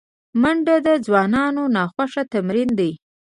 منډه د ځوانانو خوښ تمرین دی